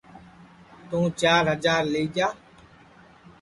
توں چِار ہجار لی جا